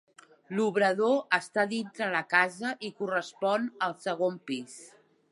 L'obrador està dintre la casa i correspon al segon pis.